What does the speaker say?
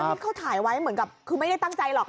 นี่เขาถ่ายไว้เหมือนกับคือไม่ได้ตั้งใจหรอก